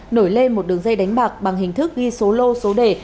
nổi lên một đường dây đánh bạc bằng hình thức ghi số lô số đề